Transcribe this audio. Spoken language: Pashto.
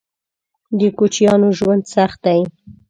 _د کوچيانو ژوند سخت دی.